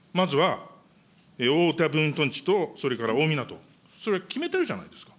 まずは大分分屯地とそれから大湊、それ、決めてるじゃないですか。